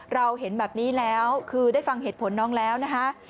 เราเห็นแบบนี้แล้วคือได้ฟังเหตุผลน้องแล้วนะคะ